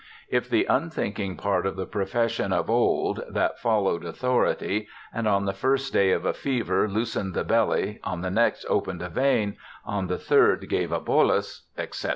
If the unthinking part of the profession of old, that fol lowed authority, and "on the first day of a fever loosened the belly, on the next opened a vein, on the third gave a bolus ", etc.